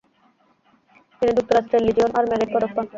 তিনি যুক্তরাষ্ট্রের Legion of merit পদক পান।